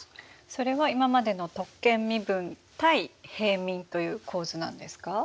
それは今までの特権身分対平民という構図なんですか？